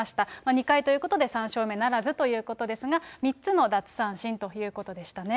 ２回ということで、３勝目ならずということですが、３つの奪三振ということでしたね。